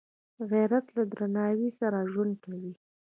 غیرت له درناوي سره ژوند کوي